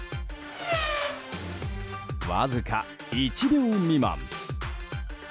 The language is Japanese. わずか１秒未満。